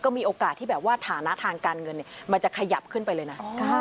มีโอกาสที่แบบว่าฐานะทางการเงินมันจะขยับขึ้นไปเลยนะ